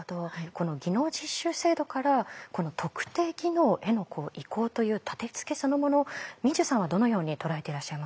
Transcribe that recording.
この技能実習制度から特定技能への移行という立てつけそのもの毛受さんはどのように捉えていらっしゃいますか？